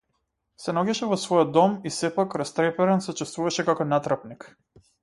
Се наоѓаше во својот дом и сепак, растреперен, се чувствуваше како натрапник.